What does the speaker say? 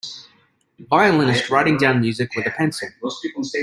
violinist writing down music with a pencil